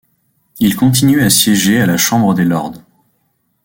Il continue à siéger à la Chambre des lords.